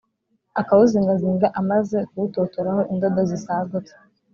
akawuzingazinga amaze kuwutotoraho indodo zisagutse;